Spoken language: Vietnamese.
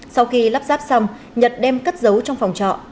sau khi lắp ráp xong nhật đem cất giấu trong phòng trọ